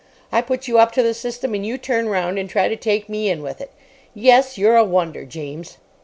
I put you up to the system, and you turn round and try to take me in with it. Yes, you're a wonder, James."